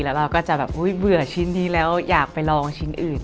แล้วเราก็จะแบบอุ๊ยเบื่อชิ้นนี้แล้วอยากไปลองชิ้นอื่น